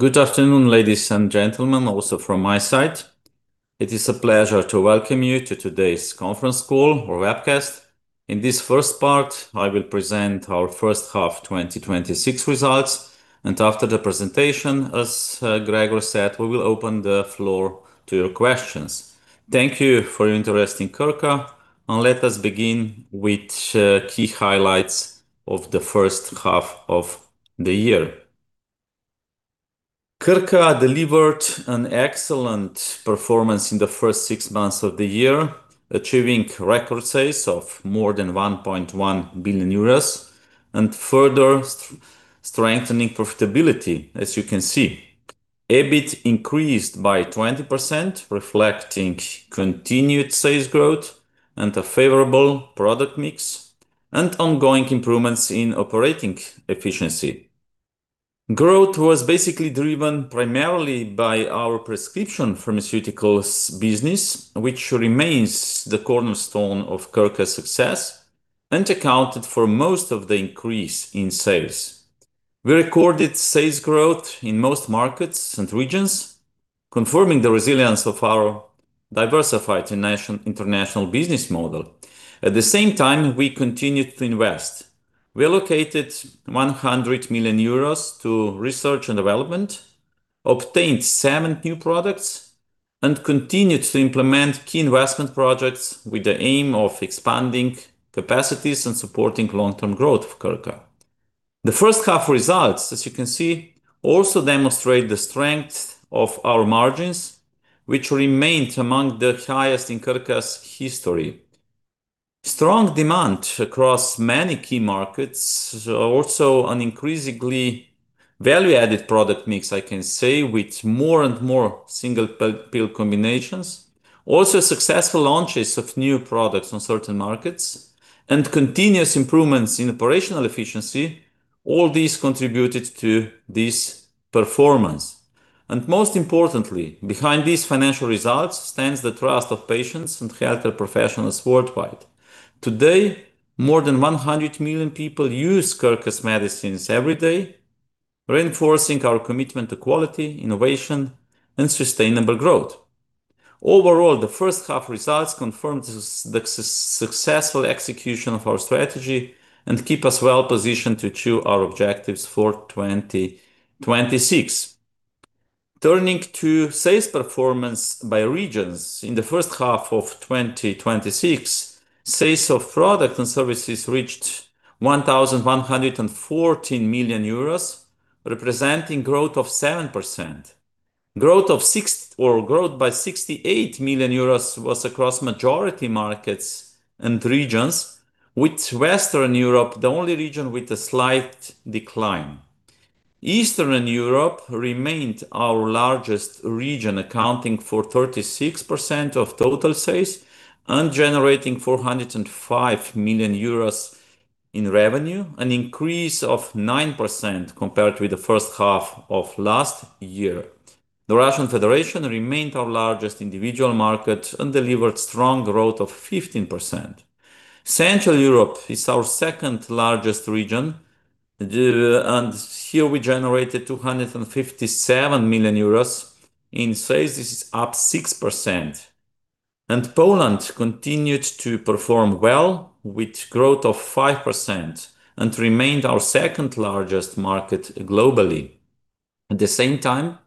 Good afternoon, ladies and gentlemen, also from my side. It is a pleasure to welcome you to today's conference call or webcast. In this first part, I will present our first half 2026 results. After the presentation, as Gregor said, we will open the floor to your questions. Thank you for your interest in Krka, and let us begin with key highlights of the first half of the year. Krka delivered an excellent performance in the first six months of the year, achieving record sales of more than 1.1 billion euros and further strengthening profitability, as you can see. EBIT increased by 20%, reflecting continued sales growth and a favorable product mix and ongoing improvements in operating efficiency. Growth was basically driven primarily by our prescription pharmaceuticals business, which remains the cornerstone of Krka's success and accounted for most of the increase in sales. We recorded sales growth in most markets and regions, confirming the resilience of our diversified international business model. At the same time, we continued to invest. We allocated 100 million euros to research and development, obtained seven new products, and continued to implement key investment projects with the aim of expanding capacities and supporting long-term growth of Krka. The first half results, as you can see, also demonstrate the strength of our margins, which remained among the highest in Krka's history. Strong demand across many key markets are also an increasingly value-added product mix, I can say, with more and more single-pill combinations. Also, successful launches of new products on certain markets and continuous improvements in operational efficiency, all these contributed to this performance. Most importantly, behind these financial results stands the trust of patients and healthcare professionals worldwide. Today, more than 100 million people use Krka's medicines every day, reinforcing our commitment to quality, innovation, and sustainable growth. Overall, the first half results confirm the successful execution of our strategy and keep us well positioned to achieve our objectives for 2026. Turning to sales performance by regions. In the first half of 2026, sales of product and services reached 1,140 million euros, representing growth of 7%. Growth by 68 million euros was across majority markets and regions, with Western Europe the only region with a slight decline. Eastern Europe remained our largest region, accounting for 36% of total sales and generating 405 million euros in revenue, an increase of 9% compared with the first half of last year. The Russian Federation remained our largest individual market and delivered strong growth of 15%. Central Europe is our second-largest region, and here we generated 257 million euros in sales. This is up 6%. Poland continued to perform well with growth of 5% and remained our second-largest market globally. At the same time,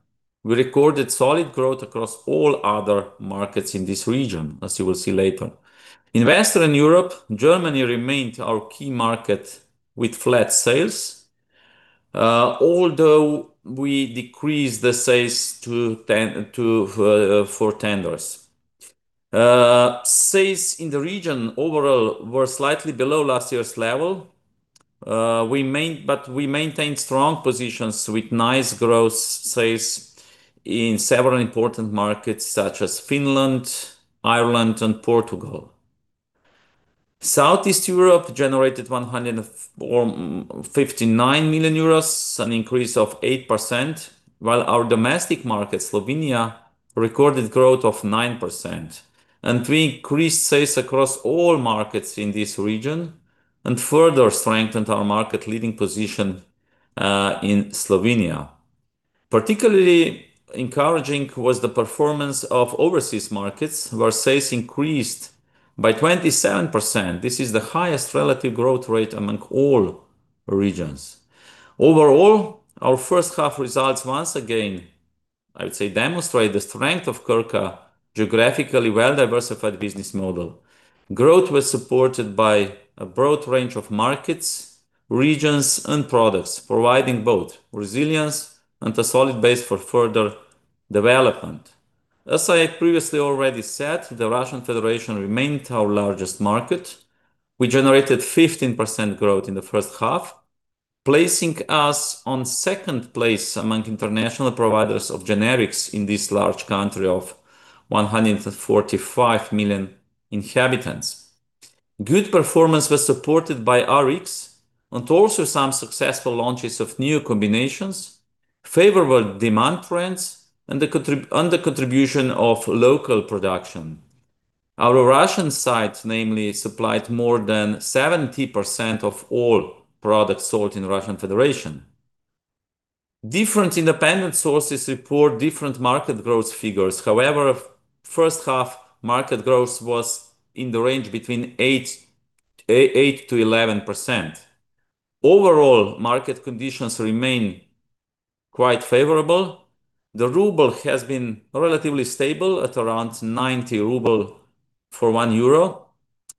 we recorded solid growth across all other markets in this region, as you will see later. In Western Europe, Germany remained our key market with flat sales. Although we decreased the sales for tenders. Sales in the region overall were slightly below last year's level. We maintained strong positions with nice growth sales in several important markets such as Finland, Ireland, and Portugal. Southeast Europe generated 159 million euros, an increase of 8%, while our domestic market, Slovenia, recorded growth of 9%. We increased sales across all markets in this region and further strengthened our market-leading position in Slovenia. Particularly encouraging was the performance of overseas markets, where sales increased by 27%. This is the highest relative growth rate among all regions. Overall, our first half results once again, I would say, demonstrate the strength of Krka geographically well-diversified business model. Growth was supported by a broad range of markets, regions, and products, providing both resilience and a solid base for further development. As I previously already said, the Russian Federation remained our largest market. We generated 15% growth in the first half, placing us on second place among international providers of generics in this large country of 145 million inhabitants. Good performance was supported by Rx and also some successful launches of new combinations, favorable demand trends, and the contribution of local production. Our Russian site namely supplied more than 70% of all products sold in Russian Federation. Different independent sources report different market growth figures. However, first-half market growth was in the range between 8%-11%. Overall, market conditions remain quite favorable. The RUB has been relatively stable at around 90 ruble for 1 euro.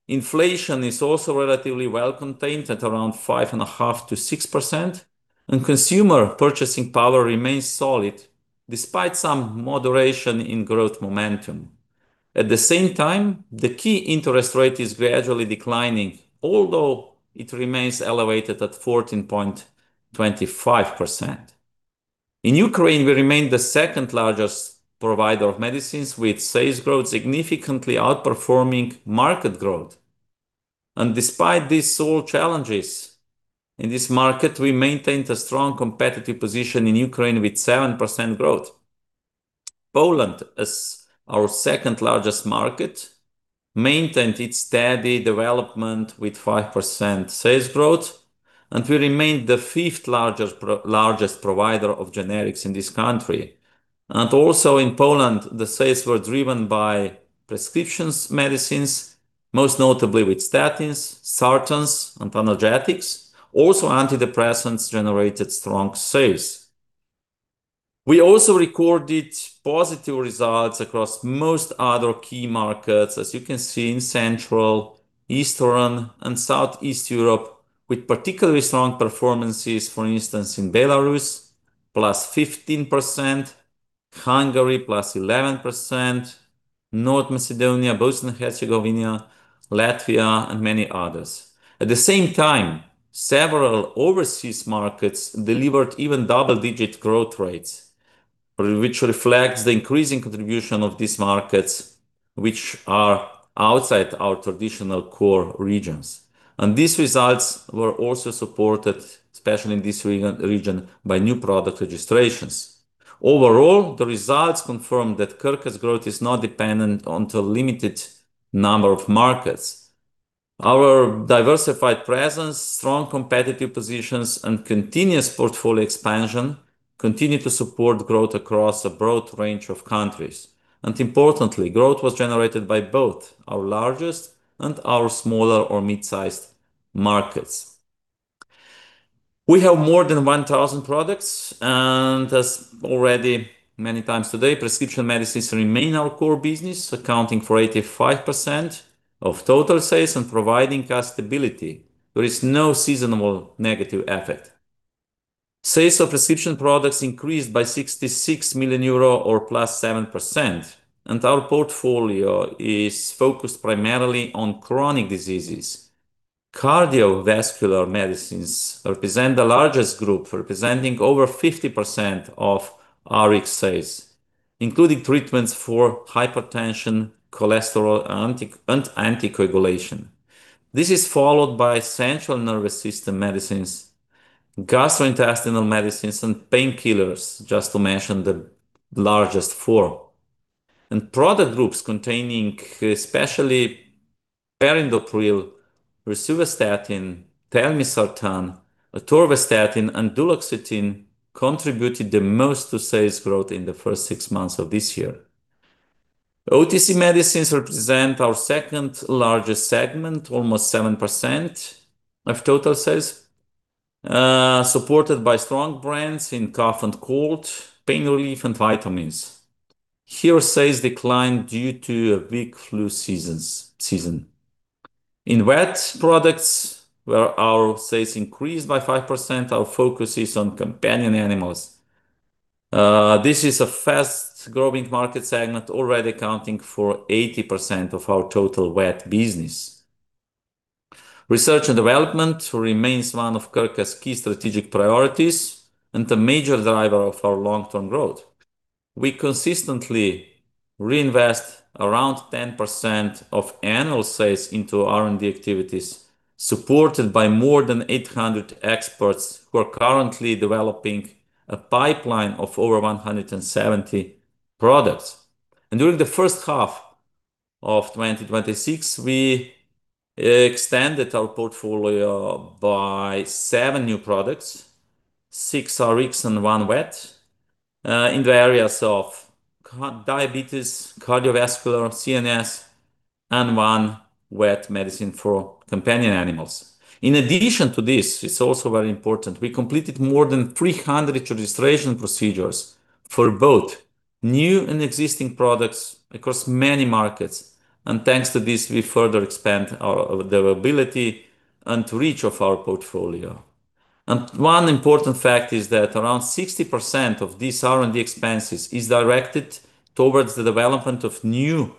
Inflation is also relatively well contained at around 5.5%-6%, and consumer purchasing power remains solid despite some moderation in growth momentum. At the same time, the key interest rate is gradually declining, although it remains elevated at 14.25%. In Ukraine, we remain the second-largest provider of medicines, with sales growth significantly outperforming market growth. Despite these sole challenges in this market, we maintained a strong competitive position in Ukraine with 7% growth. Poland, as our second-largest market, maintained its steady development with 5% sales growth, and we remained the fifth-largest provider of generics in this country. Also in Poland, the sales were driven by prescriptions medicines, most notably with statins, sartans, and analgesics. Also, antidepressants generated strong sales. We also recorded positive results across most other key markets, as you can see in Central, Eastern, and Southeast Europe, with particularly strong performances, for instance, in Belarus, +15%, Hungary +11%, North Macedonia, Bosnia and Herzegovina, Latvia, and many others. At the same time, several overseas markets delivered even double-digit growth rates, which reflects the increasing contribution of these markets, which are outside our traditional core regions. These results were also supported, especially in this region, by new product registrations. Overall, the results confirm that Krka's growth is not dependent on a limited number of markets. Our diversified presence, strong competitive positions, and continuous portfolio expansion continue to support growth across a broad range of countries. Importantly, growth was generated by both our largest and our smaller or mid-sized markets. We have more than 1,000 products, and as already many times today, prescription medicines remain our core business, accounting for 85% of total sales and providing us stability. There is no seasonal negative effect. Sales of prescription products increased by 66 million euro or +7%, and our portfolio is focused primarily on chronic diseases. Cardiovascular medicines represent the largest group, representing over 50% of Rx sales, including treatments for hypertension, cholesterol, and anticoagulation. This is followed by central nervous system medicines, gastrointestinal medicines, and painkillers, just to mention the largest four. Product groups containing especially perindopril, rosuvastatin, telmisartan, atorvastatin, and duloxetine contributed the most to sales growth in the first six months of this year. OTC medicines represent our second-largest segment, almost 7% of total sales, supported by strong brands in cough and cold, pain relief, and vitamins. Here, sales declined due to a weak flu season. In vet products, where our sales increased by 5%, our focus is on companion animals. This is a fast-growing market segment, already accounting for 80% of our total vet business. Research and development remains one of Krka's key strategic priorities and a major driver of our long-term growth. We consistently reinvest around 10% of annual sales into R&D activities, supported by more than 800 experts who are currently developing a pipeline of over 170 products. During the first half of 2026, we extended our portfolio by seven new products, six Rx and one vet, in the areas of diabetes, cardiovascular, CNS, and one vet medicine for companion animals. In addition to this, it's also very important, we completed more than 300 registration procedures for both new and existing products across many markets. Thanks to this, we further expand our availability and reach of our portfolio. One important fact is that around 60% of these R&D expenses is directed towards the development of new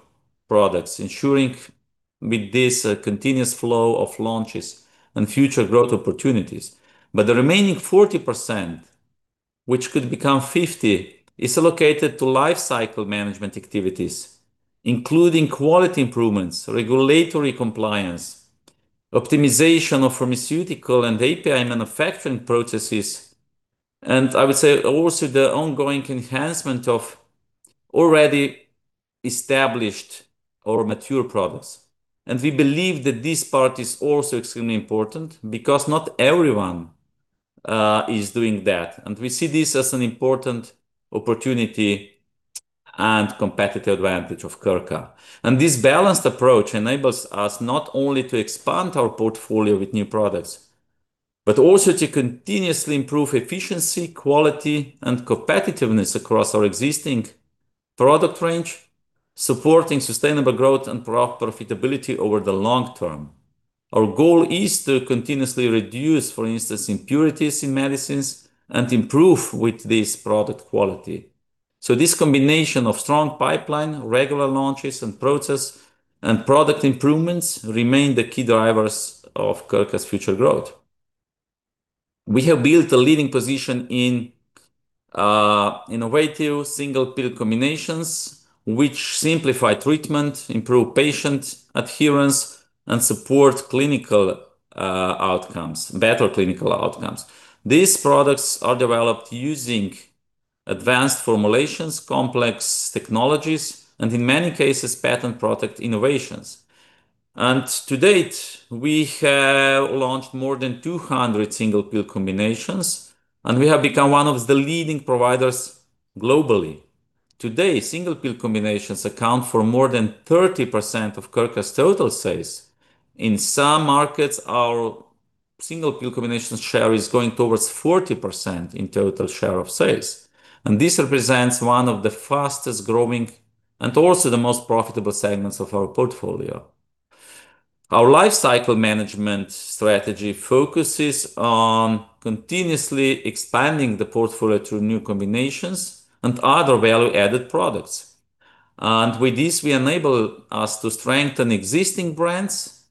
products, ensuring with this a continuous flow of launches and future growth opportunities. The remaining 40%, which could become 50%, is allocated to life cycle management activities, including quality improvements, regulatory compliance, optimization of pharmaceutical and API manufacturing processes. I would say also the ongoing enhancement of already established or mature products. We believe that this part is also extremely important because not everyone is doing that. We see this as an important opportunity and competitive advantage of Krka. This balanced approach enables us not only to expand our portfolio with new products, but also to continuously improve efficiency, quality, and competitiveness across our existing product range, supporting sustainable growth and profitability over the long term. Our goal is to continuously reduce, for instance, impurities in medicines and improve with this product quality. This combination of strong pipeline, regular launches, and process and product improvements remain the key drivers of Krka's future growth. We have built a leading position in innovative single-pill combinations, which simplify treatment, improve patient adherence, and support better clinical outcomes. These products are developed using advanced formulations, complex technologies, and in many cases, patent product innovations. To date, we have launched more than 200 single-pill combinations, and we have become one of the leading providers globally. Today, single-pill combinations account for more than 30% of Krka's total sales. In some markets, our single-pill combination share is going towards 40% in total share of sales. This represents one of the fastest-growing and also the most profitable segments of our portfolio. Our life cycle management strategy focuses on continuously expanding the portfolio through new combinations and other value-added products. With this, we enable us to strengthen existing brands,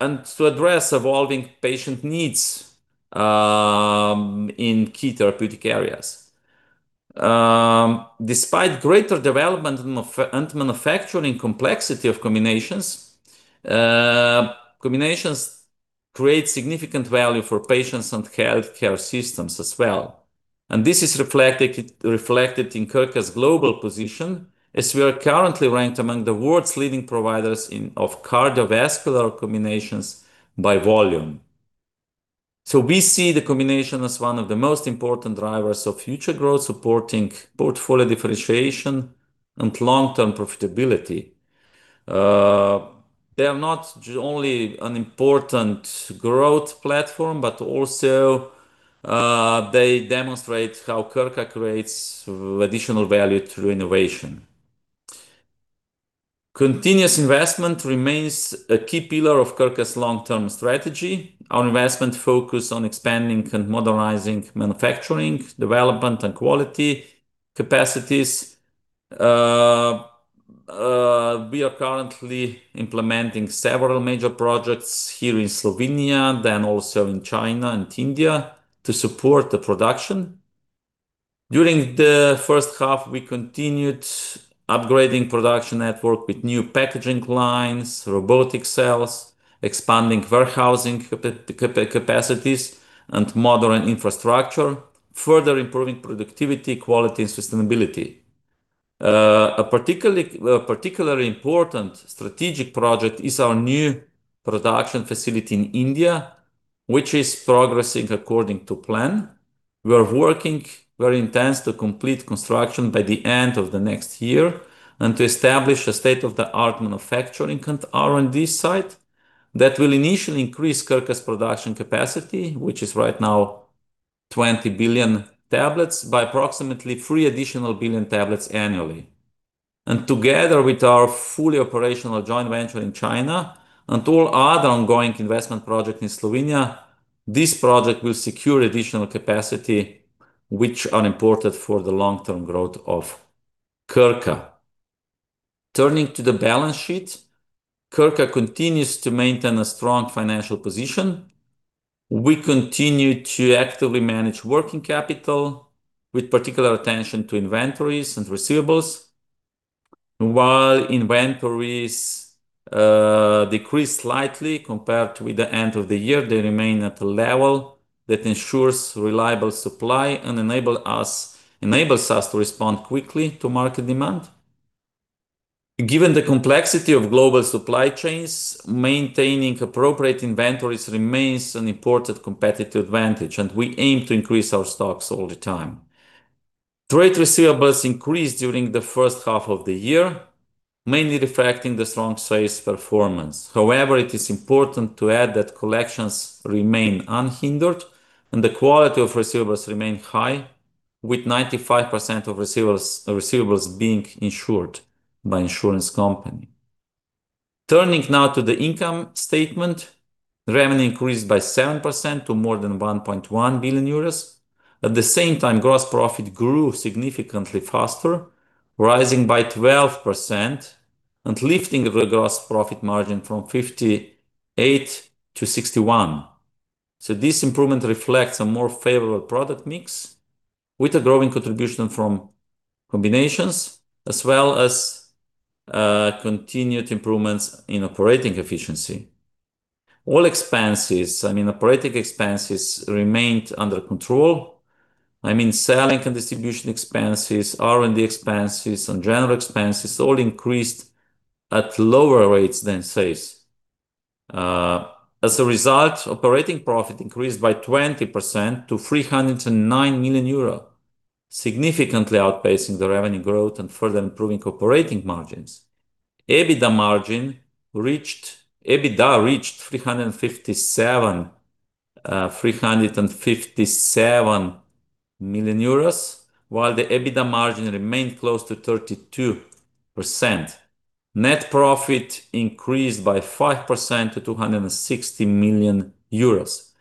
and to address evolving patient needs in key therapeutic areas. Despite greater development and manufacturing complexity of combinations create significant value for patients and healthcare systems as well. This is reflected in Krka's global position as we are currently ranked among the world's leading providers of cardiovascular combinations by volume. We see the combination as one of the most important drivers of future growth, supporting portfolio differentiation and long-term profitability. They are not only an important growth platform, but also they demonstrate how Krka creates additional value through innovation. Continuous investment remains a key pillar of Krka's long-term strategy. Our investment focus on expanding and modernizing manufacturing, development, and quality capacities. We are currently implementing several major projects here in Slovenia, then also in China and India to support the production. During the first half, we continued upgrading production network with new packaging lines, robotic cells, expanding warehousing capacities and modern infrastructure, further improving productivity, quality, and sustainability. A particularly important strategic project is our new production facility in India, which is progressing according to plan. We are working very intense to complete construction by the end of the next year and to establish a state-of-the-art manufacturing R&D site that will initially increase Krka's production capacity, which is right now 20 billion tablets, by approximately three additional billion tablets annually. Together with our fully operational joint venture in China and all other ongoing investment project in Slovenia, this project will secure additional capacity, which are important for the long-term growth of Krka. Turning to the balance sheet, Krka continues to maintain a strong financial position. We continue to actively manage working capital with particular attention to inventories and receivables. While inventories decrease slightly compared with the end of the year, they remain at a level that ensures reliable supply and enables us to respond quickly to market demand. Given the complexity of global supply chains, maintaining appropriate inventories remains an important competitive advantage, and we aim to increase our stocks all the time. Trade receivables increased during the first half of the year, mainly reflecting the strong sales performance. However, it is important to add that collections remain unhindered and the quality of receivables remain high, with 95% of receivables being insured by insurance company. Turning now to the income statement, revenue increased by 7% to more than 1.1 billion euros. At the same time, gross profit grew significantly faster, rising by 12% and lifting the gross profit margin from 58%-61%. This improvement reflects a more favorable product mix with a growing contribution from combinations, as well as continued improvements in operating efficiency. All operating expenses remained under control. Selling and distribution expenses, R&D expenses, and general expenses all increased at lower rates than sales. As a result, operating profit increased by 20% to 309 million euro, significantly outpacing the revenue growth and further improving operating margins. EBITDA margin reached 357 million euros, while the EBITDA margin remained close to 32%. Net profit increased by 5% to 260 million euros.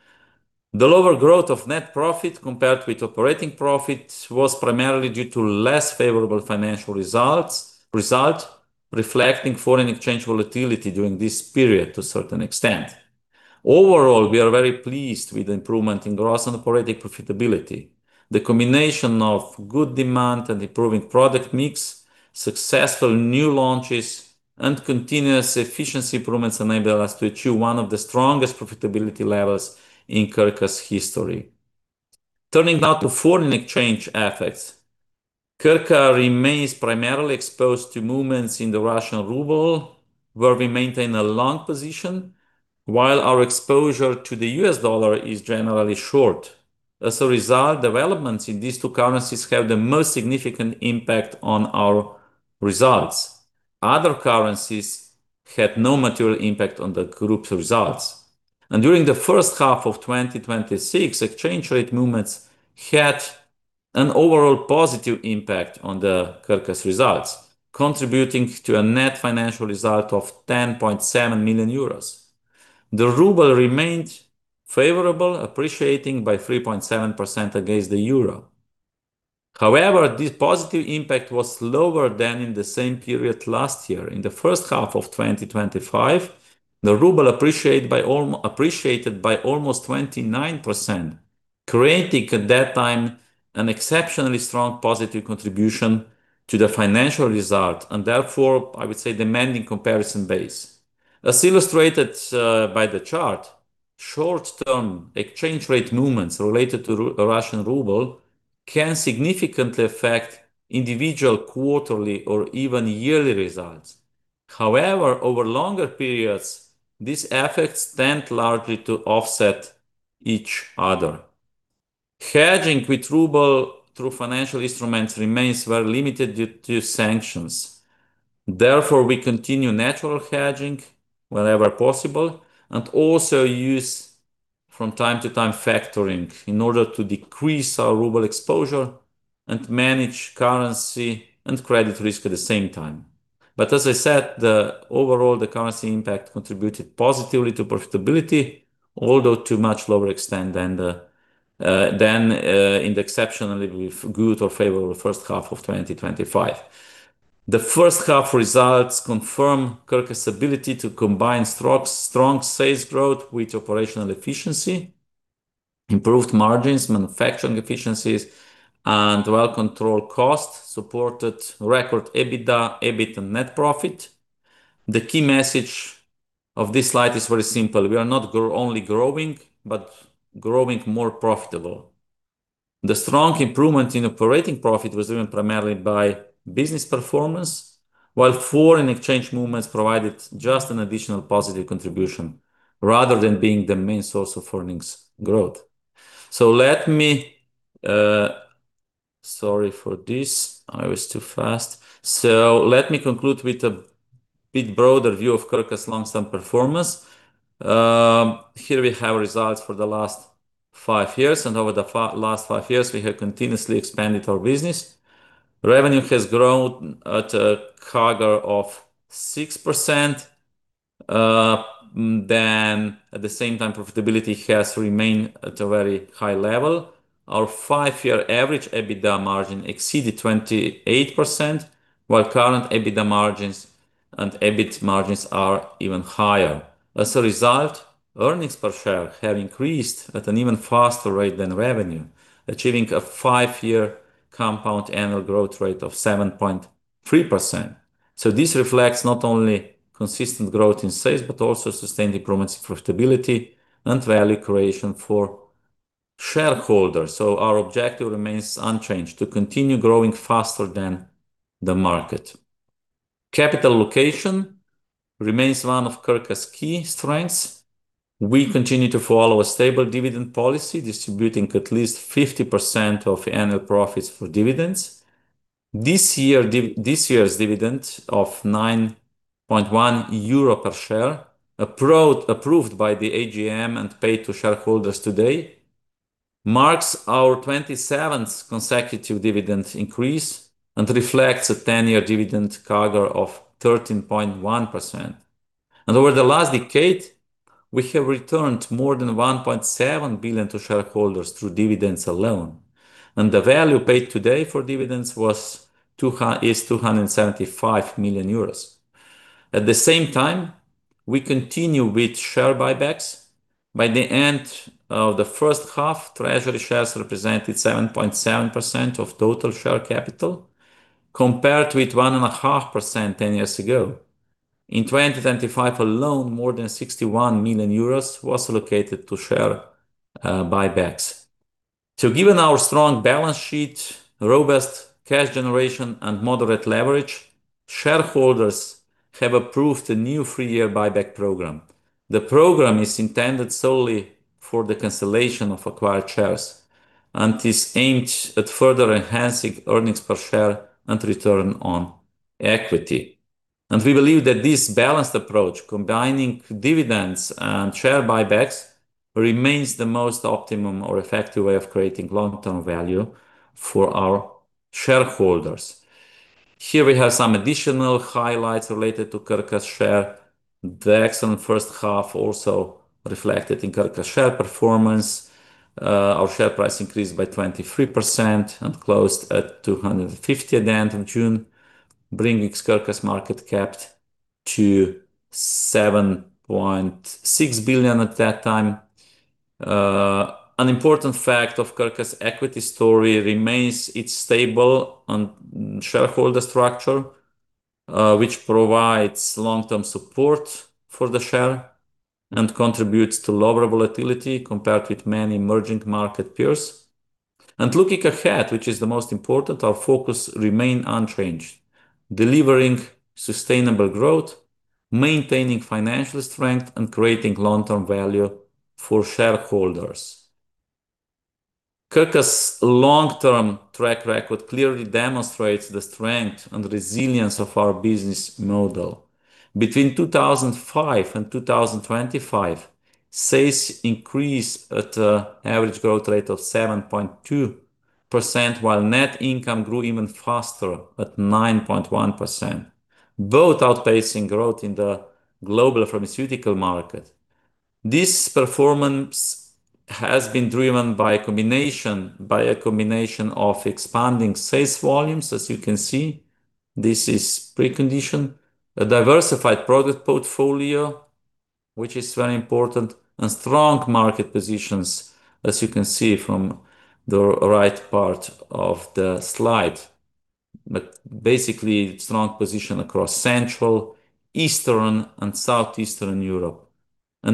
The lower growth of net profit compared with operating profit was primarily due to less favorable financial result, reflecting foreign exchange volatility during this period to a certain extent. Overall, we are very pleased with the improvement in gross and operating profitability. The combination of good demand and improving product mix, successful new launches, and continuous efficiency improvements enable us to achieve one of the strongest profitability levels in Krka's history. Turning now to foreign exchange effects. Krka remains primarily exposed to movements in the Russian ruble, where we maintain a long position, while our exposure to the US dollar is generally short. As a result, developments in these two currencies have the most significant impact on our results. Other currencies had no material impact on the group's results. During the first half of 2026, exchange rate movements had an overall positive impact on the Krka's results, contributing to a net financial result of 10.7 million euros. The ruble remained favorable, appreciating by 3.7% against the euro. However, this positive impact was lower than in the same period last year. In the first half of 2025, the ruble appreciated by almost 29%, creating, at that time, an exceptionally strong positive contribution to the financial result and therefore, I would say, demanding comparison base. As illustrated by the chart, short-term exchange rate movements related to the Russian ruble can significantly affect individual quarterly or even yearly results. Over longer periods, these effects tend largely to offset each other. Hedging with ruble through financial instruments remains well limited due to sanctions. We continue natural hedging wherever possible and also use from time to time factoring in order to decrease our ruble exposure and manage currency and credit risk at the same time. As I said, overall, the currency impact contributed positively to profitability, although to much lower extent than in the exceptionally good or favorable first half of 2025. The first half results confirm Krka's ability to combine strong sales growth with operational efficiency, improved margins, manufacturing efficiencies, and well-controlled costs supported record EBITDA, EBIT and net profit. The key message of this slide is very simple. We are not only growing, but growing more profitable. The strong improvement in operating profit was driven primarily by business performance, while foreign exchange movements provided just an additional positive contribution rather than being the main source of earnings growth. Sorry for this. I was too fast. Let me conclude with a bit broader view of Krka's long-term performance. Here we have results for the last five years. Over the last five years, we have continuously expanded our business. Revenue has grown at a CAGR of 6%. At the same time, profitability has remained at a very high level. Our five-year average EBITDA margin exceeded 28%, while current EBITDA margins and EBIT margins are even higher. Earnings per share have increased at an even faster rate than revenue, achieving a five-year compound annual growth rate of 7.3%. This reflects not only consistent growth in sales, but also sustained improvements in profitability and value creation for shareholders. Our objective remains unchanged: to continue growing faster than the market. Capital allocation remains one of Krka's key strengths. We continue to follow a stable dividend policy, distributing at least 50% of annual profits for dividends. This year's dividend of 9.1 euro per share, approved by the AGM and paid to shareholders today, marks our 27th consecutive dividend increase and reflects a 10-year dividend CAGR of 13.1%. Over the last decade, we have returned more than 1.7 billion to shareholders through dividends alone. The value paid today for dividends is 275 million euros. At the same time, we continue with share buybacks. By the end of the first half, treasury shares represented 7.7% of total share capital, compared with 1.5% 10 years ago. In 2025 alone, more than 61 million euros was allocated to share buybacks. Given our strong balance sheet, robust cash generation, and moderate leverage, shareholders have approved a new three-year buyback program. The program is intended solely for the cancellation of acquired shares and is aimed at further enhancing earnings per share and return on equity. We believe that this balanced approach, combining dividends and share buybacks, remains the most optimum or effective way of creating long-term value for our shareholders. Here we have some additional highlights related to Krka share. The excellent first half also reflected in Krka share performance. Our share price increased by 23% and closed at 250 at the end of June, bringing Krka's market cap to 7.6 billion at that time. An important fact of Krka's equity story remains its stable shareholder structure, which provides long-term support for the share and contributes to lower volatility compared with many emerging market peers. Looking ahead, which is the most important, our focus remain unchanged: delivering sustainable growth, maintaining financial strength, and creating long-term value for shareholders. Krka's long-term track record clearly demonstrates the strength and resilience of our business model. Between 2005 and 2025, sales increased at an average growth rate of 7.2%, while net income grew even faster at 9.1%, both outpacing growth in the global pharmaceutical market. This performance has been driven by a combination of expanding sales volumes, as you can see, this is precondition. A diversified product portfolio, which is very important, and strong market positions, as you can see from the right part of the slide. Basically, strong position across Central, Eastern, and Southeastern Europe.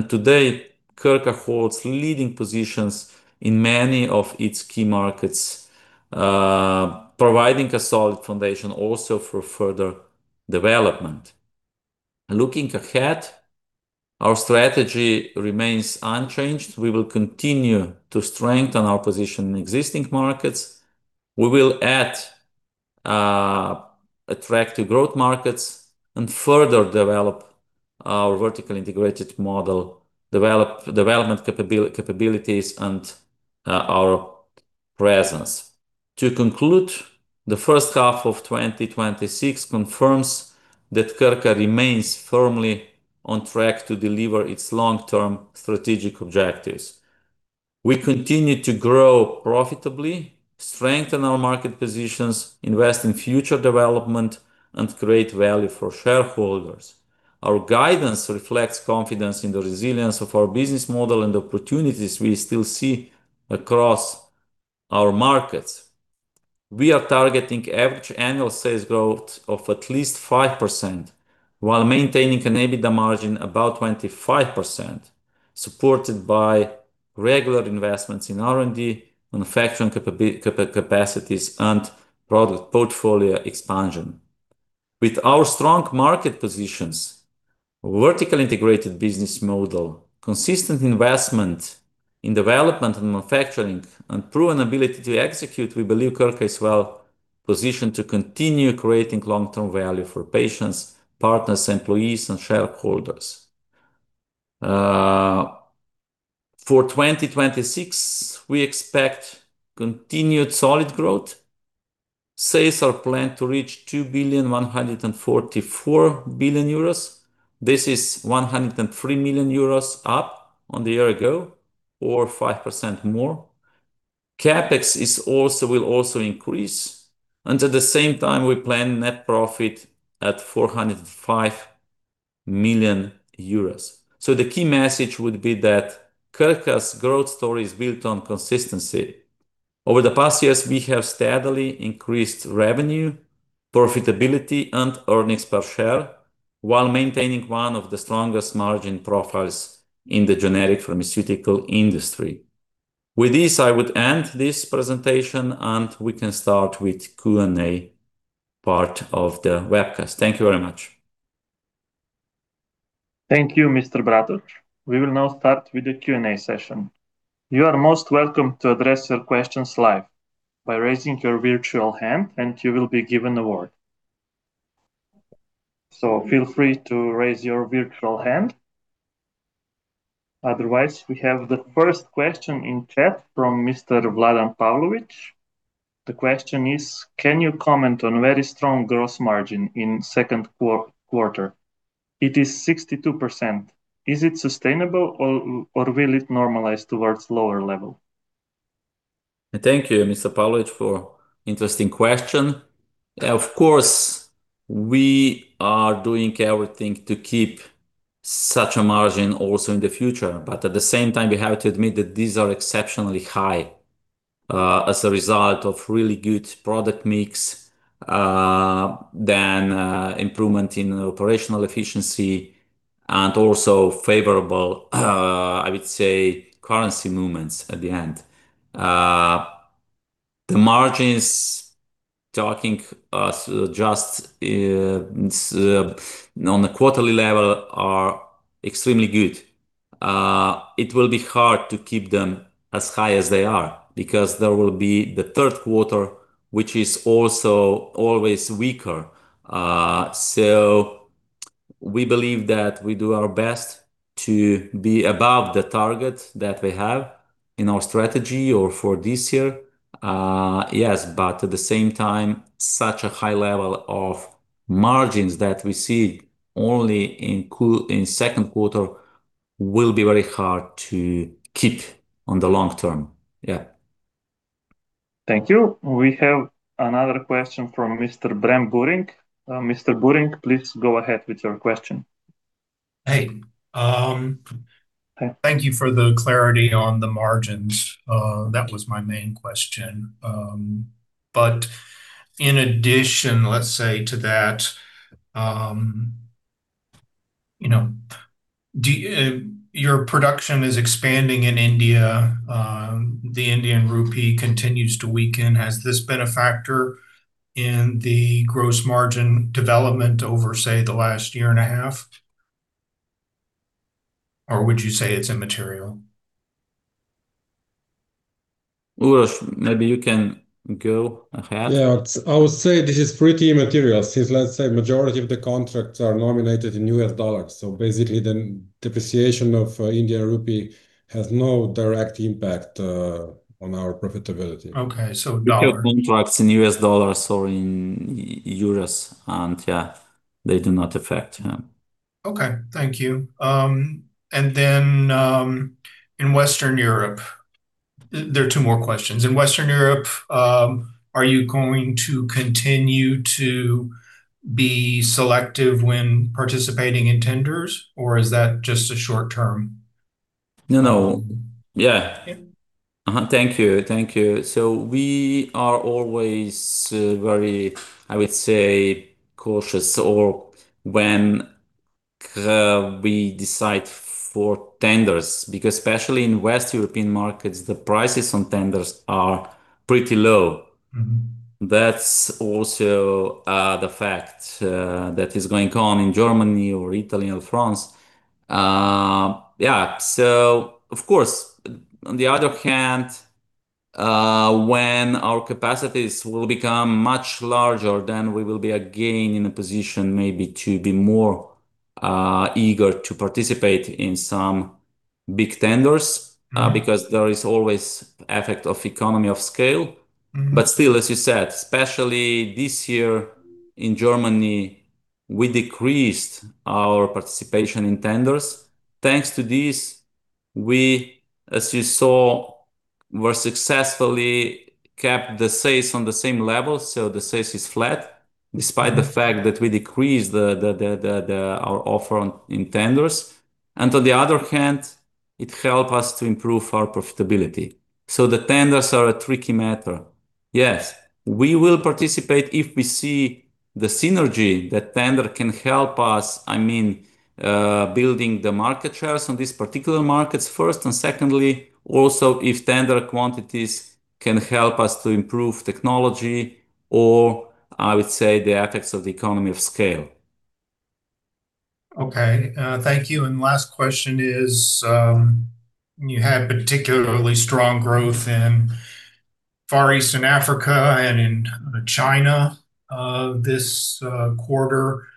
Today, Krka holds leading positions in many of its key markets, providing a solid foundation also for further development. Looking ahead, our strategy remains unchanged. We will continue to strengthen our position in existing markets. We will add attractive growth markets and further develop our vertical integrated model, development capabilities, and our presence. Conclude, the first half of 2026 confirms that Krka remains firmly on track to deliver its long-term strategic objectives. We continue to grow profitably, strengthen our market positions, invest in future development, and create value for shareholders. Our guidance reflects confidence in the resilience of our business model and the opportunities we still see across our markets. We are targeting average annual sales growth of at least 5% while maintaining an EBITDA margin above 25%, supported by regular investments in R&D, manufacturing capacities, and product portfolio expansion. With our strong market positions, vertical integrated business model, consistent investment in development and manufacturing, and proven ability to execute, we believe Krka is well-positioned to continue creating long-term value for patients, partners, employees, and shareholders. For 2026, we expect continued solid growth. Sales are planned to reach 2,144 billion. This is 103 million euros up on the year ago, or 5% more. CapEx will also increase, and at the same time, we plan net profit at 405 million euros. The key message would be that Krka's growth story is built on consistency. Over the past years, we have steadily increased revenue, profitability, and earnings per share while maintaining one of the strongest margin profiles in the generic pharmaceutical industry. With this, I would end this presentation. We can start with Q&A part of the webcast. Thank you very much. Thank you, Mr. Bratož. We will now start with the Q&A session. You are most welcome to address your questions live by raising your virtual hand, and you will be given a word. Feel free to raise your virtual hand. Otherwise, we have the first question in chat from Mr. Vladan Pavlović. The question is: Can you comment on very strong gross margin in second quarter? It is 62%. Is it sustainable or will it normalize towards lower level? Thank you, Mr. Pavlović, for interesting question. Of course, we are doing everything to keep such a margin also in the future. At the same time, we have to admit that these are exceptionally high as a result of really good product mix, improvement in operational efficiency and also favorable, I would say, currency movements at the end. The margins talking us just on the quarterly level are extremely good. It will be hard to keep them as high as they are because there will be the third quarter, which is also always weaker. We believe that we do our best to be above the target that we have in our strategy or for this year. Yes, at the same time, such a high level of margins that we see only in second quarter will be very hard to keep on the long term. Yeah. Thank you. We have another question from Mr. Bram Buring. Mr. Buring, please go ahead with your question. Hey. Thank you for the clarity on the margins. That was my main question. In addition, let's say to that, your production is expanding in India. The Indian rupee continues to weaken. Has this been a factor in the gross margin development over, say, the last year and a half? Or would you say it's immaterial? Uroš, maybe you can go ahead. Yeah. I would say this is pretty immaterial since, let's say, majority of the contracts are nominated in US dollars. Basically the depreciation of Indian rupee has no direct impact on our profitability. Okay. We have contracts in US dollars or in EUR and yeah, they do not affect. Yeah. Okay. Thank you. In Western Europe, there are two more questions. In Western Europe, are you going to continue to be selective when participating in tenders or is that just a short term? No, no. Yeah. Yeah. Thank you. We are always very, I would say, cautious or when we decide for tenders, because especially in West European markets, the prices on tenders are pretty low. That's also the fact that is going on in Germany or Italy or France. Yeah. Of course, on the other hand, when our capacities will become much larger, then we will be again in a position maybe to be more eager to participate in some big tenders. There is always effect of economy of scale. Still, as you said, especially this year in Germany, we decreased our participation in tenders. Thanks to this, we, as you saw, were successfully kept the sales on the same level. The sales is flat despite the fact that we decreased our offer in tenders. On the other hand, it help us to improve our profitability. The tenders are a tricky matter. Yes, we will participate if we see the synergy that tender can help us, I mean, building the market shares on these particular markets first. Secondly, also if tender quantities can help us to improve technology or, I would say, the effects of the economy of scale. Okay. Thank you. Last question is, you had particularly strong growth in Far East and Africa and in China this quarter.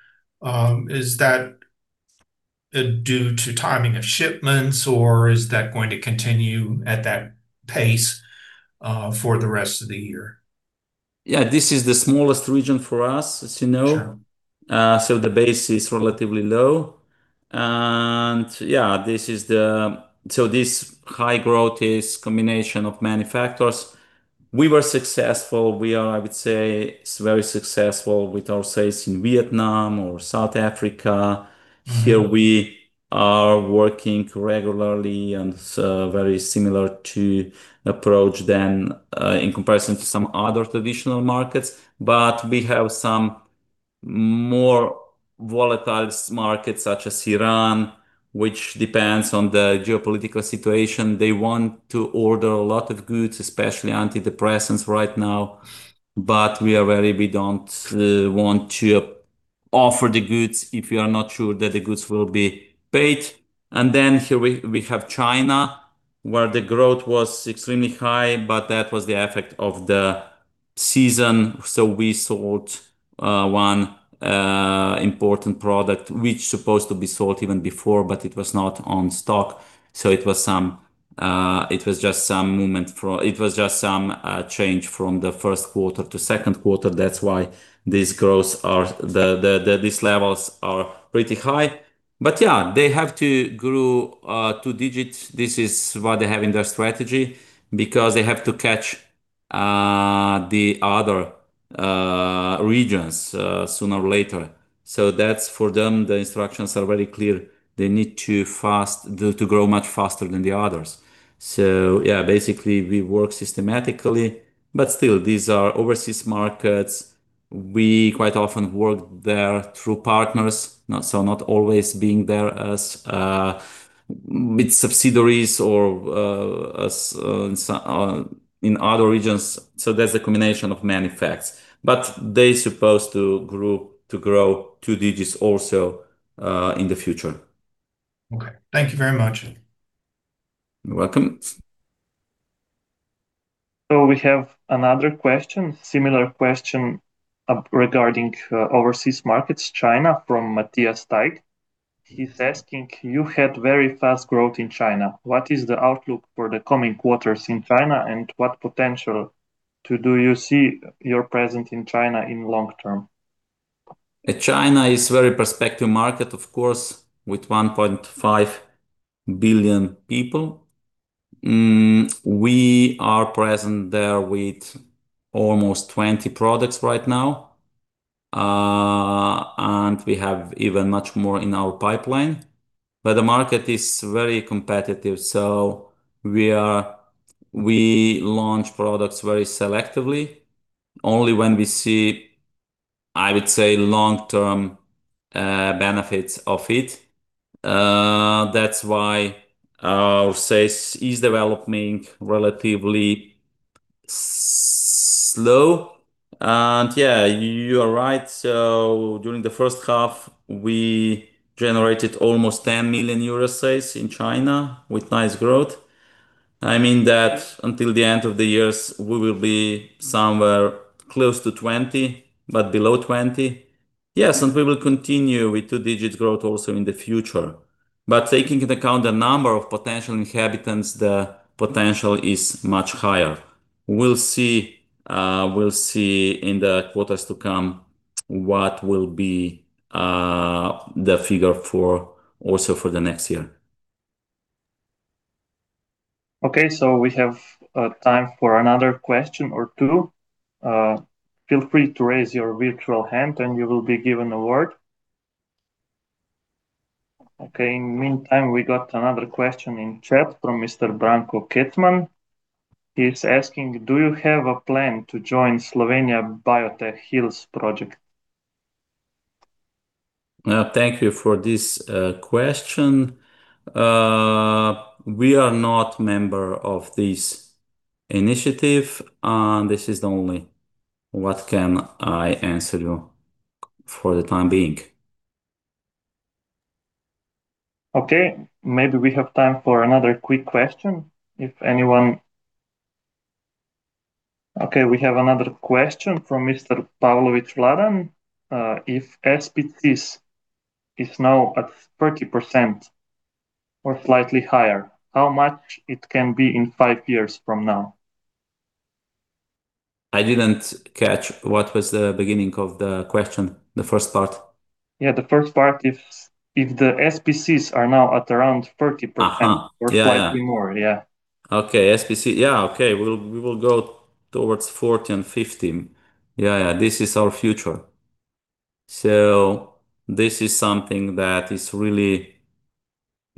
Is that due to timing of shipments or is that going to continue at that pace for the rest of the year? Yeah. This is the smallest region for us, as you know. Sure. The base is relatively low. Yeah, this high growth is combination of many factors. We were successful. We are, I would say, very successful with our sales in Vietnam or South Africa. Here we are working regularly and very similar to approach then in comparison to some other traditional markets. We have some more volatile markets such as Iran, which depends on the geopolitical situation. They want to order a lot of goods, especially antidepressants right now. We are very, we don't want to offer the goods if we are not sure that the goods will be paid. Here we have China, where the growth was extremely high, but that was the effect of the season. We sold one important product which supposed to be sold even before, but it was not on stock. It was just some change from the first quarter to second quarter. That's why these levels are pretty high. Yeah, they have to grow two digits. This is what they have in their strategy, because they have to catch the other regions sooner or later. For them, the instructions are very clear. They need to grow much faster than the others. Yeah, basically we work systematically, but still, these are overseas markets. We quite often work there through partners. Not always being there with subsidiaries or in other regions. There's a combination of many facts. They supposed to grow two digits also in the future. Okay. Thank you very much. You're welcome. We have another question, similar question regarding overseas markets, China, from Matthias Thyke. He is asking, You had very fast growth in China. What is the outlook for the coming quarters in China, and what potential do you see your presence in China in long term? China is very prospective market, of course, with 1.5 billion people. We are present there with almost 20 products right now. We have even much more in our pipeline. The market is very competitive, we launch products very selectively. Only when we see, I would say, long-term benefits of it. That's why our sales is developing relatively slow. Yeah, you are right. During the first half, we generated almost 10 million euro sales in China with nice growth. I mean that until the end of the years, we will be somewhere close to 20, but below 20. Yes, we will continue with two-digit growth also in the future. Taking into account the number of potential inhabitants, the potential is much higher. We will see in the quarters to come what will be the figure also for the next year. Okay, we have time for another question or two. Feel free to raise your virtual hand, and you will be given a word. Okay, in meantime, we got another question in chat from Mr. Branko Kecman. He is asking, Do you have a plan to join Slovenia Biotech Hills project? Thank you for this question. We are not member of this initiative. This is the only what can I answer you for the time being. Okay, maybe we have time for another quick question, if anyone Okay, we have another question from Mr. Pavlović Vladan. If SPCs is now at 30% or slightly higher, how much it can be in five years from now? I didn't catch what was the beginning of the question. The first part. Yeah, the first part, if the SPCs are now at around 30%. Yeah. Or slightly more. Yeah. Okay. SPC. Yeah. Okay. We will go towards 40 and 50. Yeah. This is our future. This is something that is really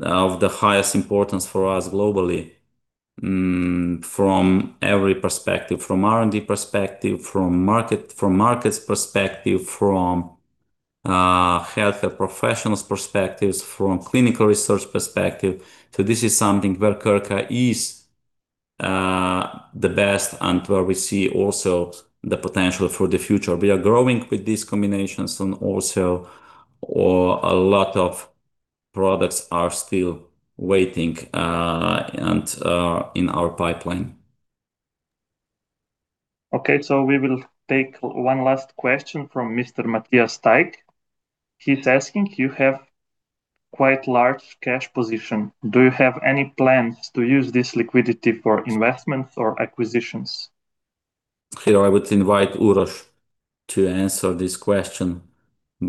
of the highest importance for us globally. From every perspective, from R&D perspective, from markets perspective, from healthcare professionals perspectives, from clinical research perspective. This is something where Krka is the best and where we see also the potential for the future. We are growing with these combinations and also a lot of products are still waiting and in our pipeline. Okay, we will take one last question from Mr. Matthias Thyke. He's asking, You have quite large cash position. Do you have any plans to use this liquidity for investments or acquisitions? Here I would invite Uroš to answer this question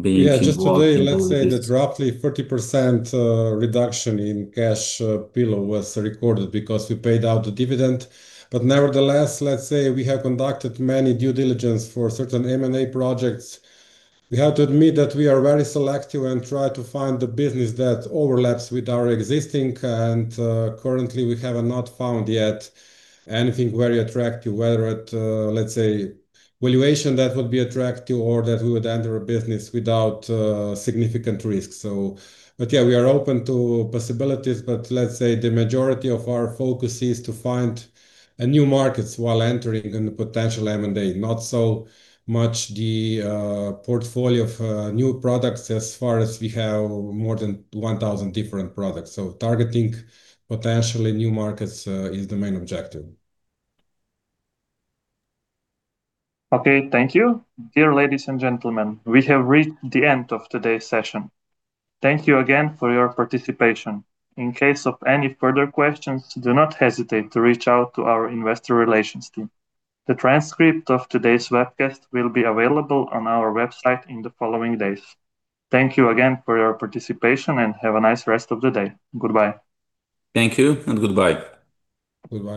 being involved in all this. Yeah. Just today, let's say that roughly 30% reduction in cash pile was recorded because we paid out the dividend. Nevertheless, let's say we have conducted many due diligence for certain M&A projects. We have to admit that we are very selective and try to find the business that overlaps with our existing, and currently, we have not found yet anything very attractive. Whether at, let's say, valuation that would be attractive or that we would enter a business without significant risk. Yeah, we are open to possibilities, but let's say the majority of our focus is to find new markets while entering any potential M&A. Not so much the portfolio of new products as far as we have more than 1,000 different products. Targeting potentially new markets is the main objective. Okay. Thank you. Dear ladies and gentlemen, we have reached the end of today's session. Thank you again for your participation. In case of any further questions, do not hesitate to reach out to our investor relations team. The transcript of today's webcast will be available on our website in the following days. Thank you again for your participation, and have a nice rest of the day. Goodbye. Thank you and goodbye. Goodbye.